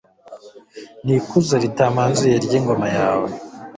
n’ikuzo ritamanzuye ry’ingoma yawe